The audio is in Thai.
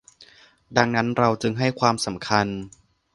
ดังนั้นเราจึงให้ความสำคัญ